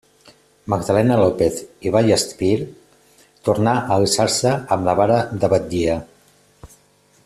Magdalena López i Vallespir tornà a alçar-se amb la vara de batllia.